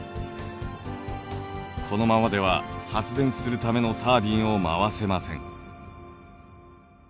このままでは発電するためのタービンを回せません。